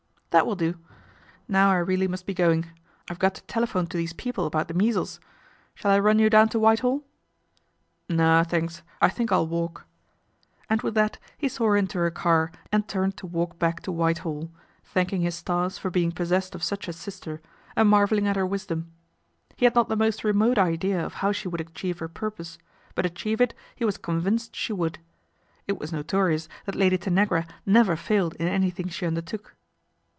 " That will do. Now I really must be going. I've got to telephone to these people about the measles. Shall I run you down to Whitehall ?"" No, thanks, I think I'll walk," and with that he saw her into her car and turned to walk back to Whitehall, thanking his stars for being possessed of such a sister and marvelling at her wisdom. He had not the most remote idea of how she would achieve her purpose ; but achieve it he was con vinced she would. It was notorious that Lady Tanagra never failed in anything she undertook.